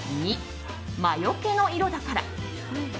２、魔よけの色だから。